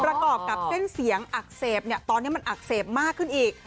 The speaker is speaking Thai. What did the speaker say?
ประกอบกับเส้นเสียงอักเสบตอนนี้มันอักเสบมากขึ้นอีก